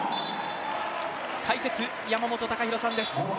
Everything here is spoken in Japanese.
解説、山本隆弘さんです。